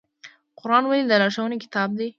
قرآن ولې د لارښوونې کتاب دی؟